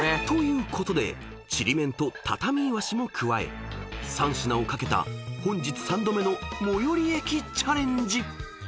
［ということでチリメンとたたみいわしも加え３品を懸けた本日３度目の最寄駅チャレンジ］